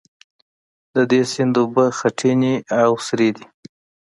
د دې سیند اوبه خټینې او سرې دي.